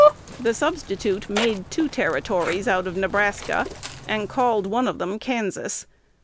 The substitute made two Territories out of Nebraska, and called one of them Kansas.